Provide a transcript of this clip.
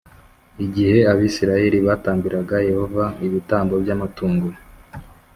Igihe Abisirayeli batambiraga Yehova ibitambo by amatungo